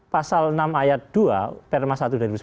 pasal enam ayat dua perma satu dua ribu sembilan